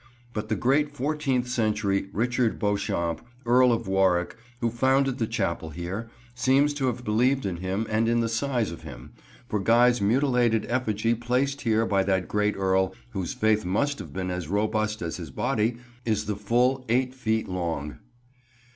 But the great fourteenth century Richard Beauchamp, Earl of Warwick, who founded the chapel here, seems to have believed in him and in the size of him, for Guy's mutilated effigy placed here by that great earl, whose faith must have been as robust as his body, is the full eight feet long.